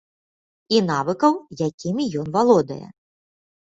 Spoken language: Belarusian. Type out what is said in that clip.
І навыкаў, якімі ён валодае.